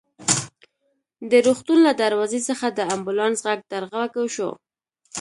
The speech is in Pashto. د روغتون له دروازې څخه د امبولانس غږ تر غوږو شو.